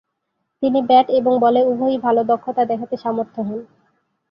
তিনি ব্যাট এবং বলে উভয়ই ভাল দক্ষতা দেখাতে সামর্থ্য হন।